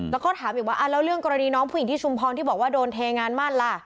แล้วก็ถามอีกว่าแล้วเรื่องกรณีน้องผู้หญิงที่ชุมพรที่บอกว่าโดนเทงานมั่นล่ะ